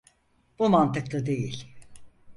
Bu mantıklı değil.